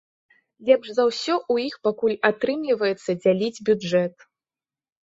Лепш за ўсё ў іх пакуль атрымліваецца дзяліць бюджэт.